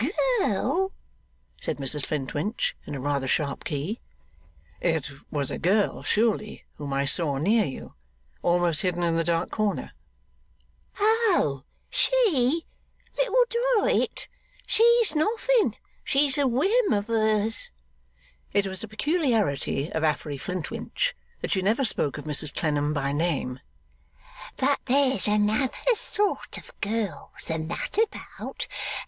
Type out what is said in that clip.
'Girl?' said Mrs Flintwinch in a rather sharp key. 'It was a girl, surely, whom I saw near you almost hidden in the dark corner?' 'Oh! She? Little Dorrit? She's nothing; she's a whim of hers.' It was a peculiarity of Affery Flintwinch that she never spoke of Mrs Clennam by name. 'But there's another sort of girls than that about.